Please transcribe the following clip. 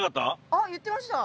あっ言ってました。